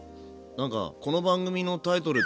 なんかこの番組のタイトル